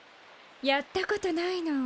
やったことないの。